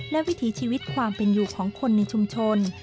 และวิถีชีวิตความเป็นอยู่ของคนในชุมชน